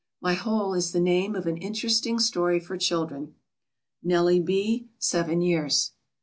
My whole is the name of an interesting story for children. NELLIE B. (seven years).